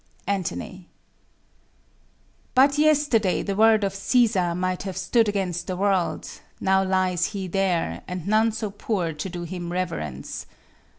Ant. But yesterday, the word of Cæsar might Have stood against the world: now lies he there, And none so poor to do him reverence.